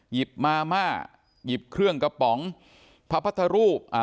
มาม่าหยิบเครื่องกระป๋องพระพุทธรูปอ่า